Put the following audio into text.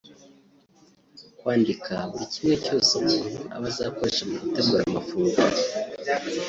Kwandika buri kimwe cyose umuntu aba azakoresha mu gutegura amafunguro